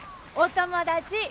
お友達。